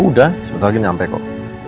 udah sebentar lagi nyampe kok